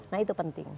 nah itu penting